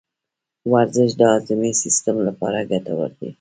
ورزش د هاضمي سیستم لپاره ګټور دی.